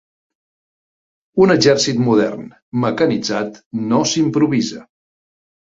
Un exèrcit modern, mecanitzat, no s'improvisa